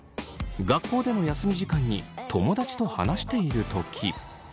学校での休み時間に友達と話しているとき。